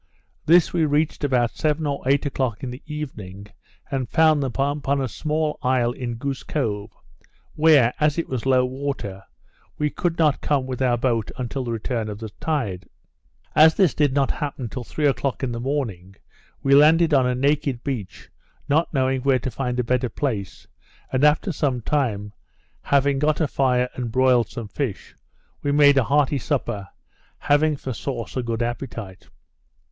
This we reached about seven or eight o'clock in the evening, and found them upon a small isle in Goose Cove, where, as it was low water, we could not come with our boat until the return of the tide. As this did not happen till three o'clock in the morning, we landed on a naked beach, not knowing where to find a better place, and, after some time, having got a fire and broiled some fish, we made a hearty supper, having for sauce a good appetite.